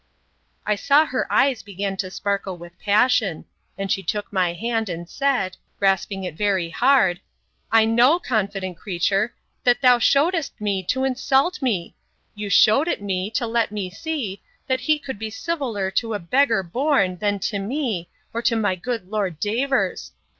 I saw her eyes began to sparkle with passion: and she took my hand, and said, grasping it very hard, I know, confident creature, that thou shewedst it me to insult me!—You shewed it me, to let me see, that he could be civiller to a beggar born, than to me, or to my good Lord Davers!